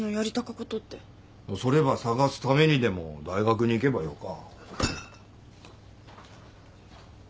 それば探すためにでも大学に行けばよか。